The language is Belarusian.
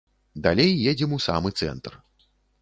Далей едзем у самы цэнтр.